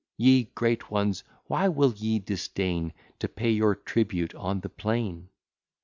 Ye great ones, why will ye disdain To pay your tribute on the plain?